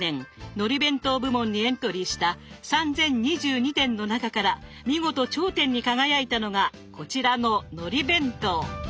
のり弁当部門にエントリーした３，０２２点の中から見事頂点に輝いたのがこちらののり弁当。